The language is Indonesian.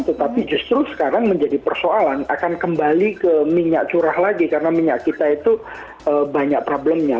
tetapi justru sekarang menjadi persoalan akan kembali ke minyak curah lagi karena minyak kita itu banyak problemnya